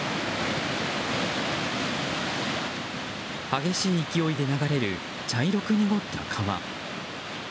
激しい勢いで流れる茶色く濁った川。